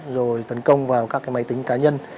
rồi tấn công vào các cái máy tính cá nhân